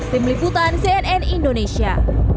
tim liputan cnn indonesia